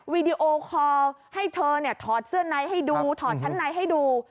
วีดีโอคอลให้เธอเนี่ยถอดเสื้อในให้ดูถอดชั้นในให้ดู